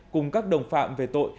cùng các đồng phạm về tội